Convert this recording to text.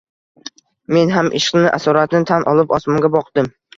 Men ham ishqing asoratini tan olib osmonga boqdim.